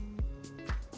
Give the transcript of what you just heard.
sambil kita aduk